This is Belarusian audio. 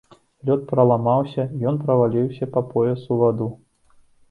Лёд праламаўся, ён праваліўся па пояс у ваду.